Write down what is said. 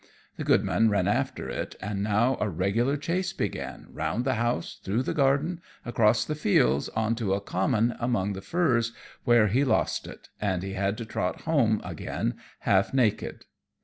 The goodman ran after it; and now a regular chase began, round the house, through the garden, across the fields on to a common among the furze, where he lost it, and he had to trot home again half naked.